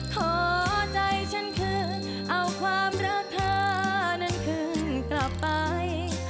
ขอใจฉันคืนเอาความรักเธอนั้นขึ้นกลับไป